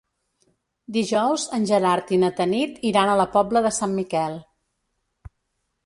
Dijous en Gerard i na Tanit iran a la Pobla de Sant Miquel.